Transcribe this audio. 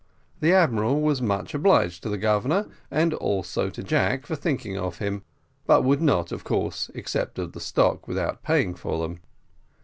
The admiral was much obliged to the Governor, and also to Jack, for thinking of him, but would not, of course, accept of the stock without paying for them.